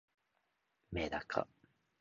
めだか